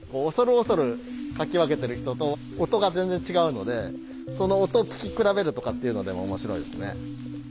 恐る恐るかき分けてる人と音が全然違うのでその音を聞き比べるとかっていうのでも面白いですね。